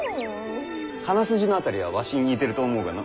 鼻筋の辺りはわしに似てると思うがの。